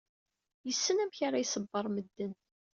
Yessen amek ara iṣebber medden.